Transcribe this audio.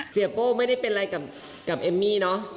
โป้ไม่ได้เป็นอะไรกับเอมมี่เนอะ